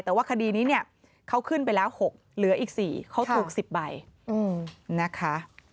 แต่ว่าคดีนี้เนี่ยเขาขึ้นไปแล้ว๖เหลืออีก๔เขาถูก๑๐ใบนะคะ